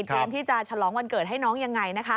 เตรียมที่จะฉลองวันเกิดให้น้องอย่างไร